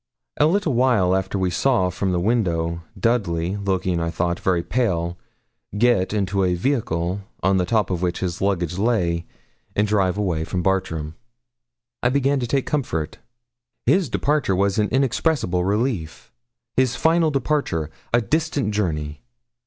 A little while after we saw from the window Dudley, looking, I thought, very pale, get into a vehicle, on the top of which his luggage lay, and drive away from Bartram. I began to take comfort. His departure was an inexpressible relief. His final departure! a distant journey!